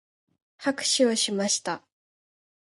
拍手をしました。